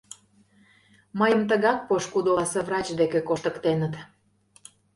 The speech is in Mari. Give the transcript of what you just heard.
Мыйым тыгак пошкудо оласе врач деке коштыктеныт.